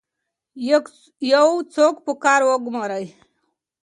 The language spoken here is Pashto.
یو څوک په کار وګمارئ.